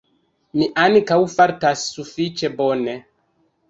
Mi ankaŭ fartas sufiĉe bone